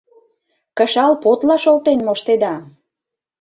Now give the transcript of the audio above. Кышал подла шолтен моштеда!